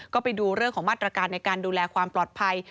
ก็ไปดูเรื่องของมาตรการในการดูแลความปลอดภัย